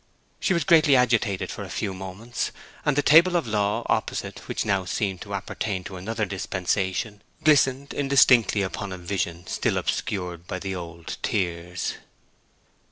She was greatly agitated for a few moments; and the Table of the Law opposite, which now seemed to appertain to another dispensation, glistened indistinctly upon a vision still obscured by the old tears.